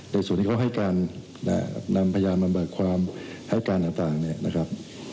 ส่วนที่เขาให้การนำพยานมาเบิกความให้การต่างเนี่ยนะครับ